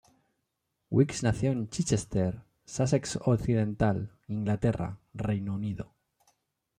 Weeks nació en Chichester, Sussex Occidental, Inglaterra, Reino Unido.